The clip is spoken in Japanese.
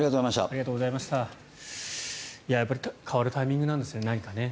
やっぱり何か変わるタイミングなんですね。